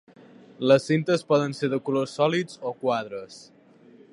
Les cintes poden ser de colors sòlids o a quadres.